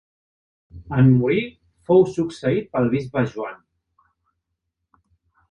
En morir, fou succeït pel bisbe Joan.